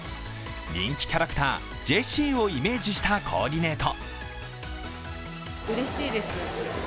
人気キャラクター、ジェシーをイメージしたコーディネート。